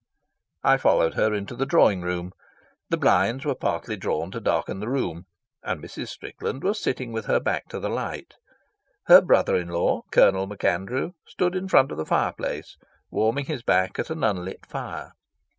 I followed her into the drawing room. The blinds were partly drawn to darken the room, and Mrs. Strickland was sitting with her back to the light. Her brother in law, Colonel MacAndrew, stood in front of the fireplace, warming his back at an unlit fire.